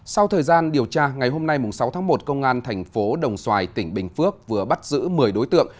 sau thời gian điều tra ngày hôm nay sáu tháng một công an thành phố đồng xoài tỉnh bình phước vừa bắt giữ một mươi đối tượng